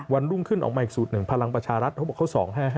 รุ่งขึ้นออกมาอีกสูตรหนึ่งพลังประชารัฐเขาบอกเขา๒๕๕